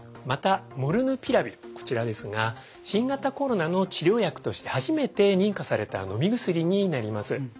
またモルヌピラビルこちらですが新型コロナの治療薬として初めて認可されたのみ薬になります。